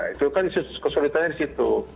itu kan kesulitannya di situ